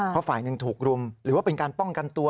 เพราะฝ่ายหนึ่งถูกรุมหรือว่าเป็นการป้องกันตัว